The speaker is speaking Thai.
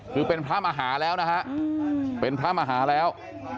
คือเป็นพระมหาแล้วนะฮะเป็นพระมหาแล้ว